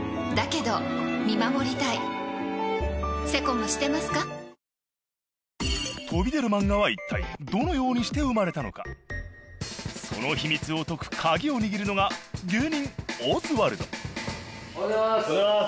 そして渾身のパラデル漫画パフォーマンス飛び出る漫画は一体どのようにして生まれたのかその秘密を解く鍵を握るのが芸人オズワルドおはようございます。